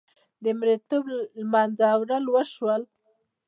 د مریې توب له منځه وړل وشو.